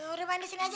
udah main di sini aja